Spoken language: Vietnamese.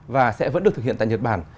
và sẽ vẫn được thực hiện tại nhật bản